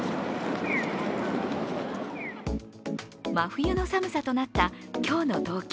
真冬の寒さとなった今日の東京。